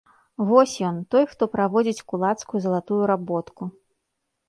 Вось ён, той, хто праводзіць кулацкую залатую работку!